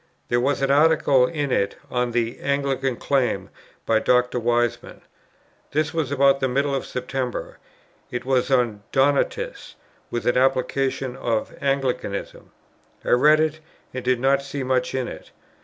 There was an article in it on the "Anglican Claim" by Dr. Wiseman. This was about the middle of September. It was on the Donatists, with an application to Anglicanism. I read it, and did not see much in it.